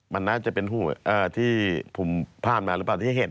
มันน่าจะเป็นผู้ที่ผมพลาดมาหรือเปล่าที่เห็น